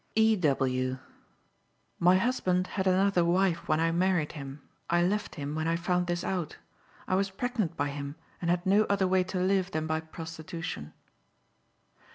E. W.: "My husband had another wife when I married him. I left him when I found this out. I was pregnant by him, and had no other way to live than by prostitution."